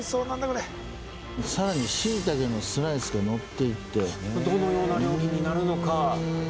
これさらにシイタケのスライスがのっていってどのような料理になるのか？